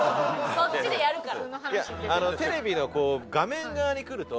そっちでやるから。